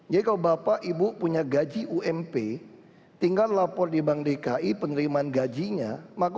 jadi kalau bapak ibu punya gaji ump tinggal lapor di bank dki penerimaan gaji yang diberikan